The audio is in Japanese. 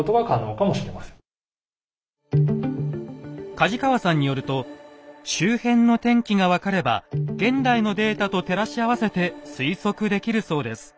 梶川さんによると周辺の天気が分かれば現代のデータと照らし合わせて推測できるそうです。